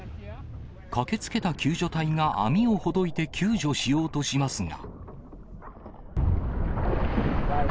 駆けつけた救助隊が網をほどいて救助しようとしますが。